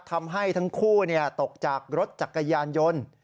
ทำให้ทั้งคู่ตกจากรถจักรยานยนต์